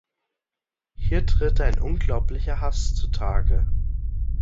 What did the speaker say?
Hier tritt ein unglaublicher Haß zutage.